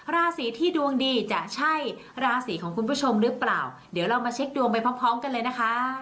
ราศีที่ดวงดีจะใช่ราศีของคุณผู้ชมหรือเปล่าเดี๋ยวเรามาเช็คดวงไปพร้อมพร้อมกันเลยนะคะ